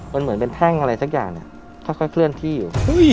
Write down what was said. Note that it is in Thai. มันเหมือนเป็นแท่งอะไรสักอย่างเนี่ยค่อยเคลื่อนที่อยู่